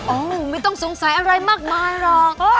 ไม่ต้องสงสัยอะไรมากมายหรอก